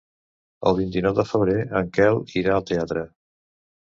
El vint-i-nou de febrer en Quel irà al teatre.